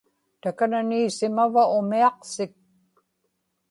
takani isimava umiaqsik